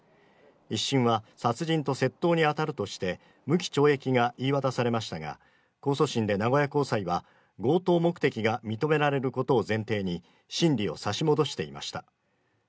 １審は殺人と窃盗に当たるとして、無期懲役が言い渡されましたが、控訴審で名古屋高裁は強盗目的が認められることを前提に審理を差し戻していました。